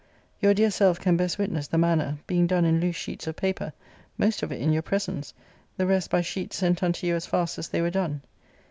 Your dear self can best witness the manner, being done in loose sheets of paper, most of it xxxvi The Epistle Dedicatory. in your presence, the rest by sheets sent unto you as fast as they were done.